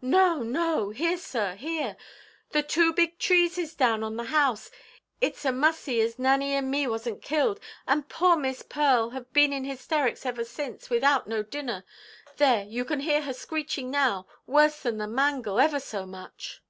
"No, no. Here, sir, here! The two big trees is down on the house. Itʼs a mussy as Nanny and me wasnʼt killed. And poor Miss Pearl have been in hysterics ever since, without no dinner. There, you can hear her screeching now, worse than the mangle, ever so much."